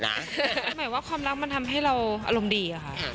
หมายว่าความรักมันทำให้เราอารมณ์ดีอะค่ะ